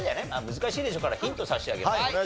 難しいでしょうからヒント差し上げます。